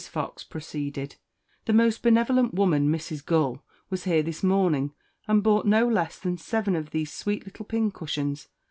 Fox proceeded: "That most benevolent woman Miss Gull was here this morning, and bought no less than seven of these sweet little pincushions.